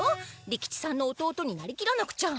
利吉さんの弟になりきらなくちゃ！